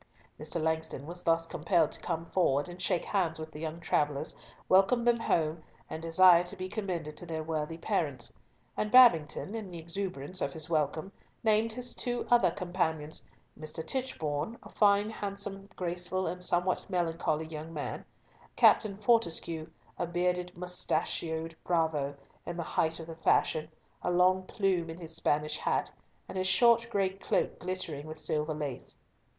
Mr. Langston was thus compelled to come forward, shake hands with the young travellers, welcome them home, and desire to be commended to their worthy parents; and Babington, in the exuberance of his welcome, named his other two companions—Mr. Tichborne, a fine, handsome, graceful, and somewhat melancholy young man; Captain Fortescue, a bearded moustached bravo, in the height of the fashion, a long plume in his Spanish hat, and his short gray cloak glittering with silver lace.